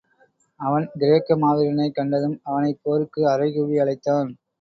அவன் கிரேக்க மாவீரனைக் கண்டதும், அவனைப் போருக்கு அறைகூவி அழைத்தான்.